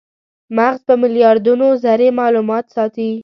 مغز په میلیاردونو ذرې مالومات ساتي.